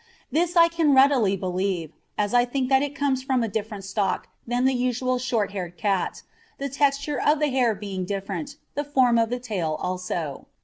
This I can readily believe, as I think that it comes from a different stock than the usual short haired cat, the texture of the hair being different, the form of tail also.